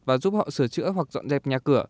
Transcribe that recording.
và giúp họ sửa chữa hoặc dọn dẹp nhà cửa